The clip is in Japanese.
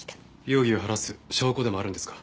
容疑を晴らす証拠でもあるんですか？